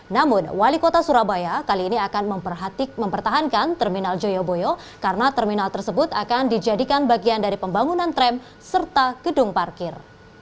namun wali kota surabaya kali ini akan mempertahankan terminal joyoboyo karena terminal tersebut akan dijadikan bagian dari pembangunan tram serta gedung parkir